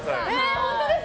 本当ですか。